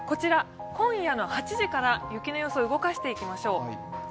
今夜の８時から雪の予想を動かしていきましょう。